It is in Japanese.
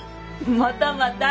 またまた。